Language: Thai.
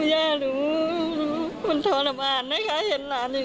ย่ารู้มันทรมานนะคะเห็นหลานอีก